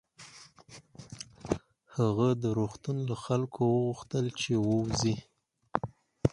هغه د روغتون له خلکو وغوښتل چې ووځي